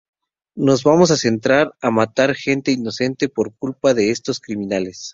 No vamos a entrar a matar gente inocente por culpa de estos criminales.